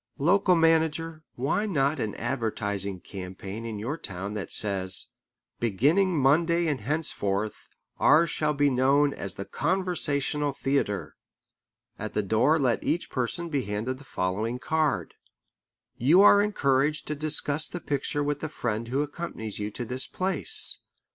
Local manager, why not an advertising campaign in your town that says: "Beginning Monday and henceforth, ours shall be known as the Conversational Theatre"? At the door let each person be handed the following card: "You are encouraged to discuss the picture with the friend who accompanies you to this place.